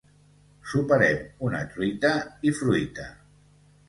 Soparem una truita i fruita